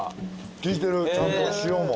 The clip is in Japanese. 効いてるちゃんと塩も。